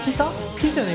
聞いたよね？